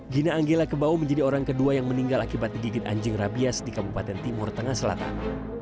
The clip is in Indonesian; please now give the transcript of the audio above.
gina anggila kebau menjadi orang kedua yang meninggal akibat digigit anjing rabias di kabupaten timur tengah selatan